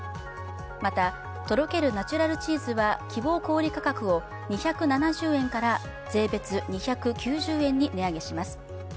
また、とろけるナチュラルチーズは希望小売価格を２７０円から税別２９０円に値上げします。